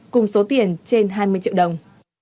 cùng số tiền trên hai mươi triệu đồng